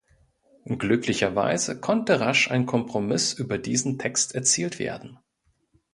Glücklicherweise konnte rasch ein Kompromiss über diesen Text erzielt werden.